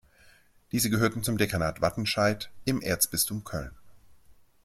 Diese gehörte zum Dekanat Wattenscheid im Erzbistum Köln.